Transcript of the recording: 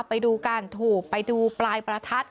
ไปดูการถูกไปดูปลายประทัด